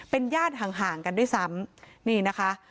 เป็นญาติห่างกันด้วยซ้ำ